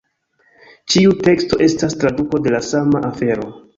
Ĉiu teksto estas traduko de la sama afero.